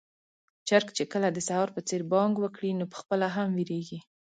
چرګ چې کله د سهار په څېر بانګ وکړي، نو پخپله هم وېريږي.